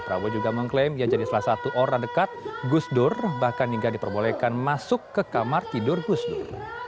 prabowo juga mengklaim ia jadi salah satu orang dekat gusdur bahkan hingga diperbolehkan masuk ke kamar tidur gusdur